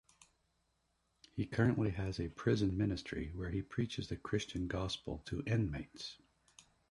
He currently has a prison ministry, where he preaches the Christian gospel to inmates.